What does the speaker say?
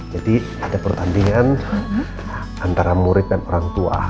jadi ada pertandingan antara murid dan orang tua